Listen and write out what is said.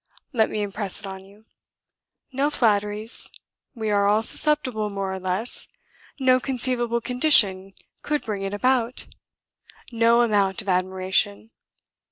Let me impress it on you. No flatteries we are all susceptible more or less no conceivable condition could bring it about; no amount of admiration.